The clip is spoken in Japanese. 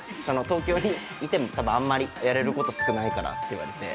東京にいても多分あんまりやれる事少ないからって言われて。